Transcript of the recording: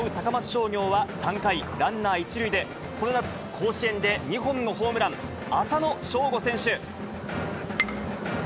商業は、３回、ランナー１塁でこの夏、甲子園で２本のホームラン、浅野翔吾選手。